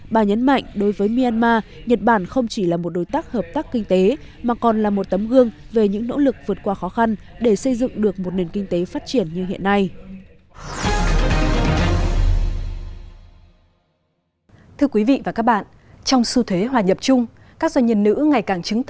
bà nhấn mạnh đối với myanmar nhật bản không chỉ là một đối tác hợp tác kinh tế mà còn là một tấm gương về những nỗ lực vượt qua khó khăn để xây dựng được một nền kinh tế phát triển như hiện nay